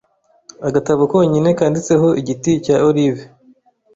agatabo konyine kanditseho Igiti cya Olive